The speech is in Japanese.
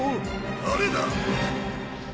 誰だ？